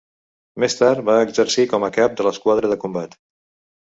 Més tard va exercir com a cap de l'esquadra de combat.